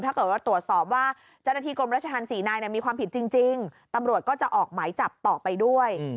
ถ้าเกิดว่าตรวจสอบว่าเจ้าหน้าที่กรมราชธรรม๔นายมีความผิดจริงตำรวจก็จะออกหมายจับต่อไปด้วย